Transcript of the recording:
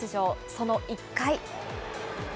その１回。